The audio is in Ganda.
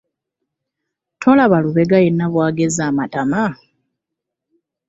Tolaba Lubega yenna bw'agezze amatama?